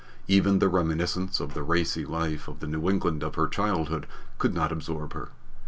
Even the reminiscence of the racy life of the New England of her childhood could not absorb her.